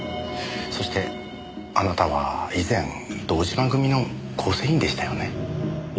そしてあなたは以前堂島組の構成員でしたよね？